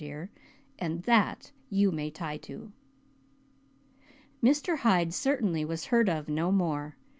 dear, and that you may tie to." Mr. Hyde certainly was heard of no more.